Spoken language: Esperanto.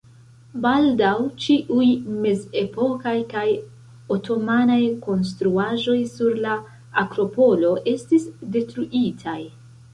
Baldaŭ ĉiuj mezepokaj kaj otomanaj konstruaĵoj sur la Akropolo estis detruitaj.